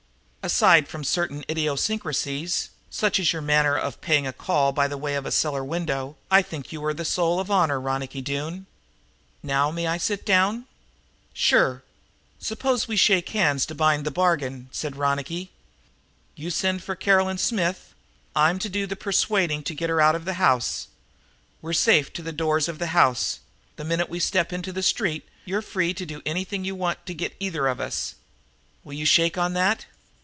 "Aside from certain idiosyncrasies, such as your manner of paying a call by way of a cellar window, I think you are the soul of honor, Ronicky Doone. Now may I sit down?" "Suppose we shake hands to bind the bargain," said Ronicky. "You send for Caroline Smith; I'm to do the persuading to get her out of the house. We're safe to the doors of the house; the minute we step into the street, you're free to do anything you want to get either of us. Will you shake on that?"